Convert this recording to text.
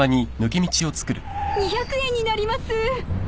２００円になります。